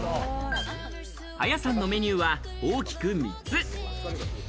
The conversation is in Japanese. ＡＹＡさんのメニューは大きく３つ。